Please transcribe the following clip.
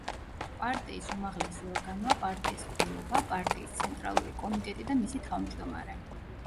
პარტიის უმაღლესი ორგანოა პარტიის ყრილობა, პარტიის ცენტრალური კომიტეტი და მისი თავმჯდომარე.